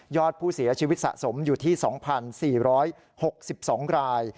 อดผู้เสียชีวิตสะสมอยู่ที่๒๔๖๒ราย